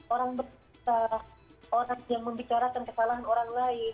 orang besar orang yang membicarakan kesalahan orang lain